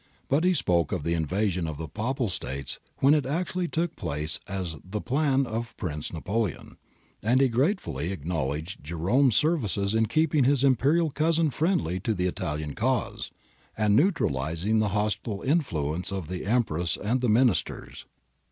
But he spoke of the invasion of the Papal States, when it actually took place, as 'the plan of Prince Napoleon,' and he gratefull} acknowledged Jerome's services in keeping his Imperial cousin friendly to the Italian cause, and neutralising the hostile influence of the Empress and the Ministers.'